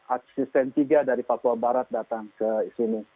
asisten tiga dari papua barat datang ke sini